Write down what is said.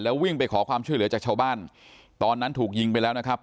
วิ่งไปขอความช่วยเหลือจากชาวบ้านตอนนั้นถูกยิงไปแล้วนะครับ